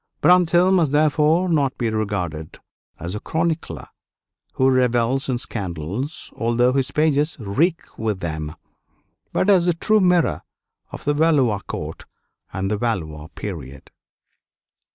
Brantôme must therefore not be regarded as a chronicler who revels in scandals, although his pages reek with them; but as the true mirror of the Valois court and the Valois period.